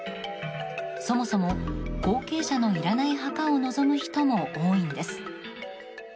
そもそも、後継者のいらない墓を望む人も多いんです。